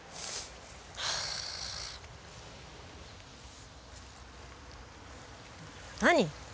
はあ。何？